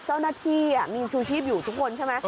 เจ้าหน้าที่มีชูชีพอยู่ทุกคนใช่ไหม